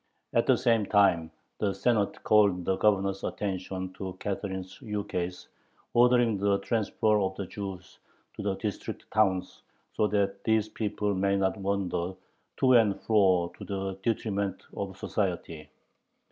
At the same time the Senate called the Governor's attention to Catherine's ukase ordering the transfer of the Jews to the District towns, "so that these people may not wander to and fro to the detriment of society."